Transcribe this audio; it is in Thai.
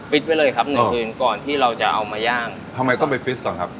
ไว้เลยครับหนึ่งคืนก่อนที่เราจะเอามาย่างทำไมต้องไปฟิตก่อนครับ